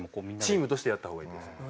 チームとしてやった方がいいです。